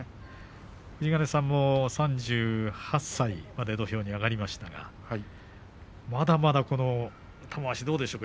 富士ヶ根さんも３８歳まで土俵に上がりましたがまだまだ玉鷲どうでしょうか。